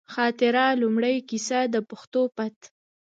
خاطره، لومړۍ کیسه ، د پښتو پت